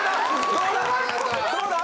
⁉どうだ？